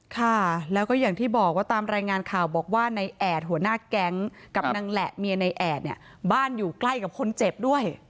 ค่ะแล้วก็อย่างที่บอกว่าตามรายงานข่าวบอกว่าในแอดหัวหน้าแก๊งกับนางแหละเมียในแอดเนี่ยบ้านอยู่ใกล้กับคนเจ็บด้วย